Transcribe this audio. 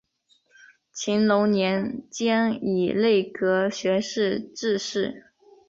乾隆年间以内阁学士致仕。